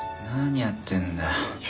何やってんだ？